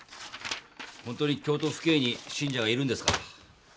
ほんとに京都府警に信者がいるんですか？